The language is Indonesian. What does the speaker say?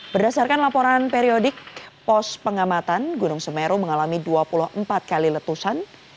berdasarkan laporan periodik pos pengamatan gunung semeru mengalami dua puluh empat kali letusan